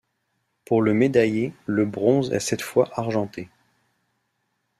Pour le médailler, le bronze est cette fois argenté.